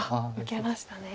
受けましたね。